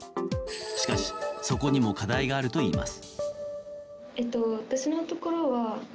しかし、そこにも課題があるといいます。